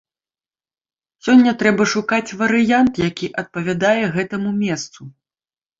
Сёння трэба шукаць варыянт, які адпавядае гэтаму месцу.